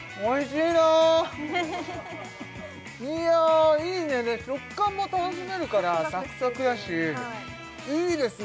いやあいいね食感も楽しめるからサクサクだしいいですね